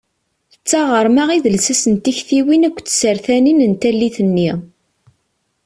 D taɣerma i d llsas n tiktiwin akk tsertanin n tallit-nni.